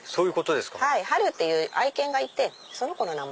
ハルっていう愛犬がいてその子の名前。